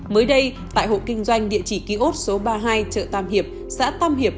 mới đây tại hộ kinh doanh địa chỉ ký ốt số ba mươi hai chợ tam hiệp xã tam hiệp